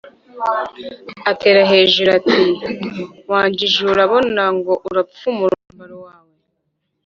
atera hejuru ati «wa njiji we, urabona ngo urapfumura umwambaro wawe?